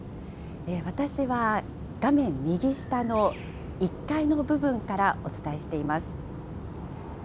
私は画面右下の１階の部分からお伝えしています。